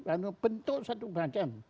anu bentuk satu badan